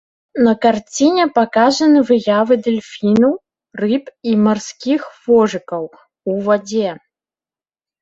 На карціне паказаны выявы дэльфінаў, рыб і марскіх вожыкаў ў вадзе.